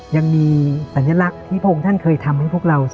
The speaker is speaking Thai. ยังมีสัญลักษณ์ที่พระองค์ท่านเคยทำให้พวกเรา